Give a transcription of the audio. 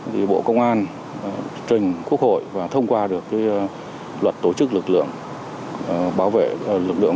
thì bộ công an trình quốc hội thông qua được luật tổ chức lực lượng